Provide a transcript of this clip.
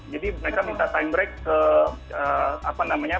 jadi mereka minta time break ke apa namanya